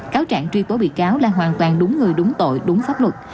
cáo trạng truy tố bị cáo là hoàn toàn đúng người đúng tội đúng pháp luật